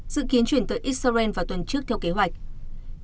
dự kiến chuyển tới israel vào tuần trước theo kế hoạch